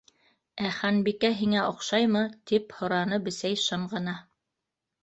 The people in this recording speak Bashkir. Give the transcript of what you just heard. — Ә Ханбикә һиңә оҡшаймы? — тип һораны Бесәй шым ғына.